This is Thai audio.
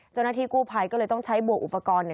เจ้าหน้าที่กู้ภัยก็เลยต้องใช้บวกอุปกรณ์